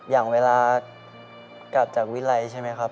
อย่างเวลากลับจากวิรัยใช่ไหมครับ